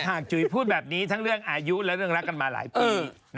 จุ๋ยพูดแบบนี้ทั้งเรื่องอายุและเรื่องรักกันมาหลายปี